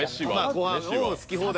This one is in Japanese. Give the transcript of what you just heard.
ご飯を好き放題。